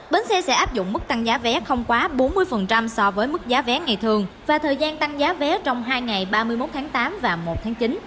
bến xe sẽ áp dụng mức tăng giá vé không quá bốn mươi so với mức giá vé ngày thường và thời gian tăng giá vé trong hai ngày ba mươi một tháng tám và một tháng chín